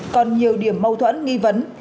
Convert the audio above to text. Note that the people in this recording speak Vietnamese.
còn nhiều điểm mâu thuẫn nghi vấn